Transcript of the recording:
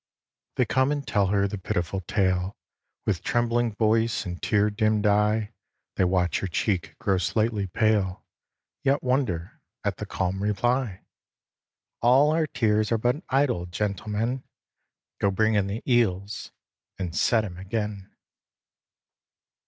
They come and tell her the pitiful tale, With trembling voice and tear dimmed eye, They watch her cheek grow slightly pale, Yet wonder at the calm reply: "All our tears are but idle, gentlemen, Go bring in the eels and set him again."